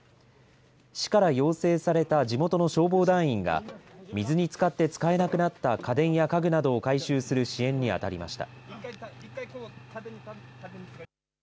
市から要請された地元の消防団員が水につかって使えなくなった家電や家具などを回収する支援に当たりました。